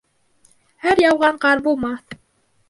Һәр яуған ҡар булмаҫ.